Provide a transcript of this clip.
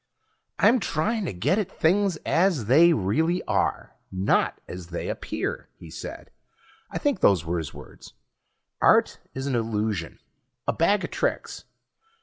"I'm trying to get at things as they really are, not as they appear," he said. I think those were his words. "Art is an illusion, a bag of tricks.